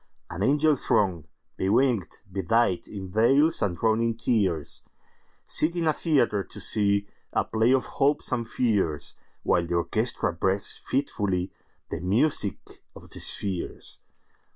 An angel throng, bewinged, bedightIn veils, and drowned in tears, Sit in a theatre, to seeA play of hopes and fears, While the orchestra breathes fitfullyThe music of the spheres.